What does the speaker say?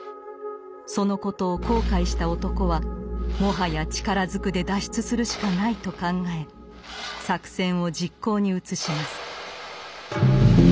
そのことを後悔した男はもはや力ずくで脱出するしかないと考え作戦を実行に移します。